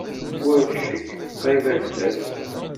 War ccek, qrib ad d-tas.